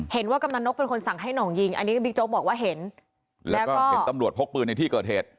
กำนันนกเป็นคนสั่งให้หน่องยิงอันนี้ก็บิ๊กโจ๊กบอกว่าเห็นแล้วก็เห็นตำรวจพกปืนในที่เกิดเหตุ